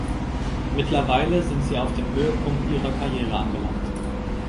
Mittlerweile sind sie auf dem Höhepunkt ihrer Karriere angelangt.